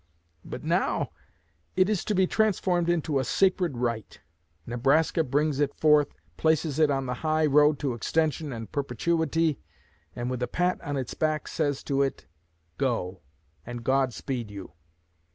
But now it is to be transformed into a 'sacred right.' Nebraska brings it forth, places it on the high road to extension and perpetuity, and with a pat on its back says to it: 'Go, and God speed you.'